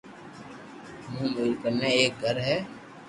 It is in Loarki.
مون ڪني ايڪ گھر ھي